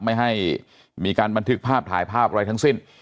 ไม่ให้มีการบันทึกภาพถ่ายภาพอะไรทั้งสิ้น